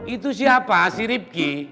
itu siapa si rifki